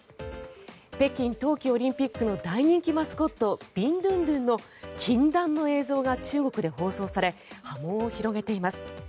北京冬季オリンピックの大人気マスコットビンドゥンドゥンの禁断の映像が中国で放送され波紋を広げています。